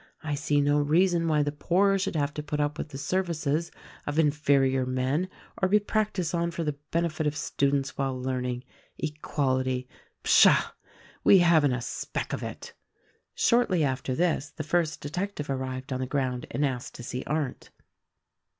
I see no reason why the poor should have to put up with the services of inferior men or be practiced on for the benefit of students while learning. Equality! Psha! We haven't a speck of it." Shortly after this the first detective arrived on the ground and asked to see Arndt.